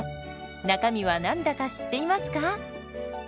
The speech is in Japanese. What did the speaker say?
中身は何だか知っていますか？